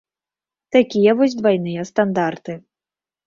Такія вось двайныя стандарты.